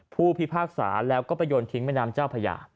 ผู้พิพากษาแล้วก็ไปโยนทิ้งแม่น้ำเจ้าพญา